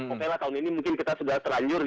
oke lah tahun ini mungkin kita sudah terlanjur